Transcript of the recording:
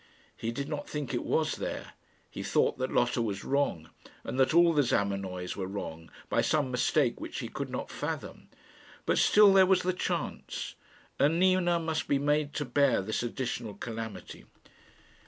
He did not think it was there; he thought that Lotta was wrong, and that all the Zamenoys were wrong, by some mistake which he could not fathom; but still there was the chance, and Nina must be made to bear this additional calamity.